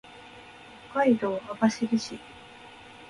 北海道網走市